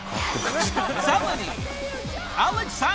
［さらに］